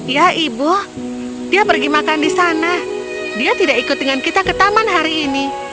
ya ibu dia pergi makan di sana dia tidak ikut dengan kita ke taman hari ini